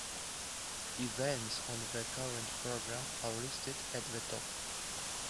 Events on the current program are listed at the top.